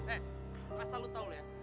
eh rasa lu tau ya